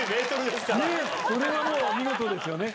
これはもう、見事ですよね。